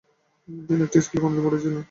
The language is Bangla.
তিনি একটি স্কুলে গণিত পড়িয়েছিলেন।